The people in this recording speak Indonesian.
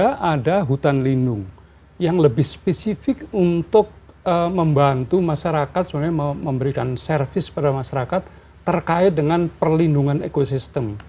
dan juga ada hutan lindung yang lebih spesifik untuk membantu masyarakat sebenarnya memberikan servis pada masyarakat terkait dengan perlindungan ekosistem